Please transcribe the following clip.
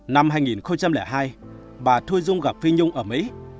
năm hai nghìn hai bà thui dung gặp phi nhung ở mỹ